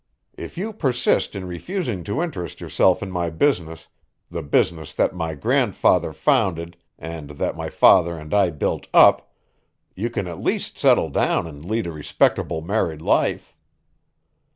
If you persist in refusing to interest yourself in my business, the business that my grandfather founded and that my father and I built up, you can at least settle down and lead a respectable married life.